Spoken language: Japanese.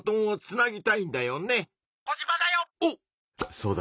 「そうだ」。